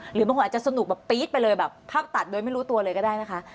หรือบางคนอาจจะสนุกแบบปี๊ดไปเลยแบบภาพตัดโดยไม่รู้ตัวเลยก็ได้นะคะ